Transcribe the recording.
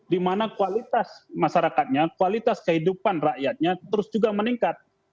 dimana kualitas masyarakatnya kualitas kehidupan rakyatnya terus juga meningkat